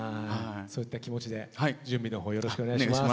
そういった気持ちで準備の方よろしくお願いします。